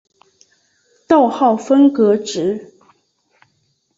逗号分隔值。